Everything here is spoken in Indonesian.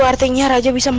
lihat satu jatuh